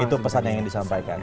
itu pesannya yang disampaikan